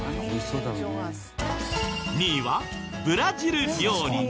２位はブラジル料理。